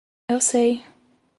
Eu sei